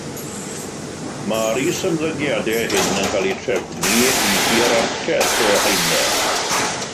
Mae'r is-ymddygiadau hyn yn cael eu trefnu i hierarchaeth o haenau.